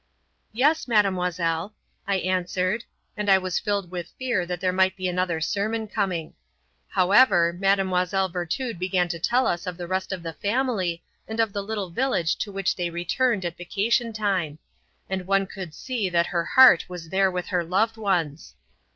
"Yes, Mademoiselle," I answered, and I was filled with fear that there might be another sermon coming. However, Mlle. Virtud began to tell us of the rest of the family and of the little village to which they returned at vacation time; and one could see that her heart was there with her loved ones.